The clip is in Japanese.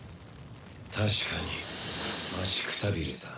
確かに待ちくたびれた。